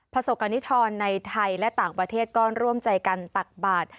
ประสบกรณิธรในไทยและต่างประเทศก็ร่วมใจกันตักบาท